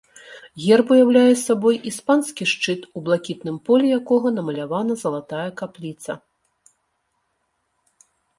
Герб уяўляе сабой іспанскі шчыт, у блакітным полі якога намалявана залатая капліца.